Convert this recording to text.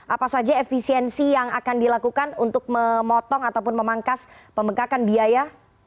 apa saja efisiensi yang akan dilakukan untuk memotong ataupun memangkas pembengkakan biaya